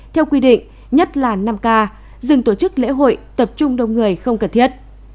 theo quy định nhất là năm k dừng tổ chức lễ hội tập trung đông người không cần thiết